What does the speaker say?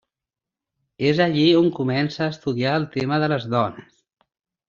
És allí on comença a estudiar el tema de les dones.